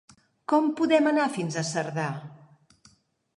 Com podem anar fins a Cerdà?